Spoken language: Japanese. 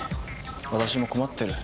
私も困ってる。